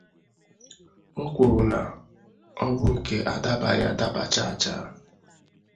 O kwuru na ọ bụ nke adabàghị adaba chaachaa